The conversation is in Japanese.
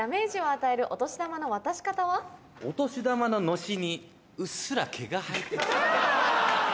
お年玉ののしにうっすら毛が生えてる。